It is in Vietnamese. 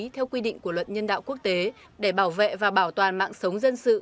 theo quy định của luật nhân đạo quốc tế để bảo vệ và bảo toàn mạng sống dân sự